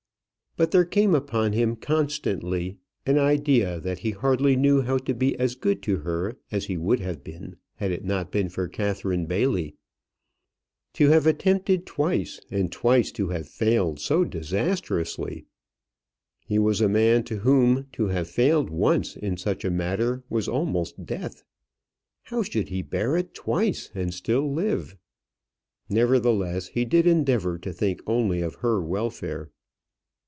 But there came upon him constantly an idea that he hardly knew how to be as good to her as he would have been had it not been for Catherine Bailey. To have attempted twice, and twice to have failed so disastrously! He was a man to whom to have failed once in such a matter was almost death. How should he bear it twice and still live? Nevertheless he did endeavour to think only of her welfare.